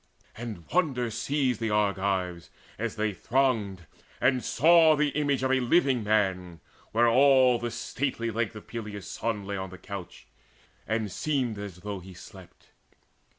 And wonder seized the Argives, as they thronged And saw the image of a living man, Where all the stately length of Peleus' son Lay on the couch, and seemed as though he slept.